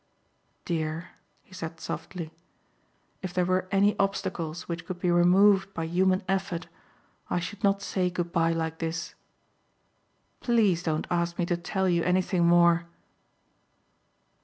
"Dear," he said softly, "if there were any obstacles which could be removed by human effort I should not say goodbye like this. Please don't ask me to tell you anything more."